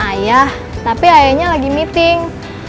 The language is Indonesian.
ayah tapi ayahnya lagi meeting